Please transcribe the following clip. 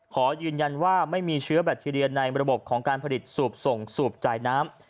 ขอยืนยันว่าไม่มีเชื้อแบคทีเรียในระบบของการผลิตสูบส่งสูบจ่ายน้ำ